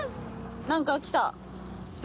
何かきた。